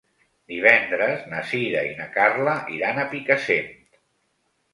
Divendres na Sira i na Carla iran a Picassent.